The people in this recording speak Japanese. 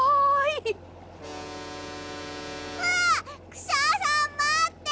クシャさんまって！